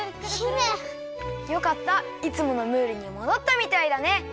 よかったいつものムールにもどったみたいだね。